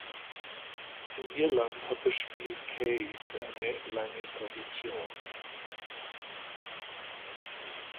In Irland hat das Spiel Caid eine lange Tradition.